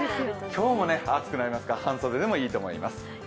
今日も暑くなりますから半袖でもいいと思います。